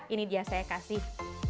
ini dia saya kasih